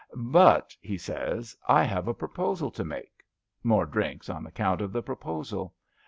But,' he says, * I have a proposal to make.' More drinks on account of the proposal.